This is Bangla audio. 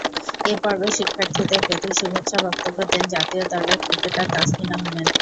এ পর্বে শিক্ষার্থীদের প্রতি শুভেচ্ছা বক্তব্য দেন জাতীয় দলের ক্রিকেটার তাসকিন আহমেদ।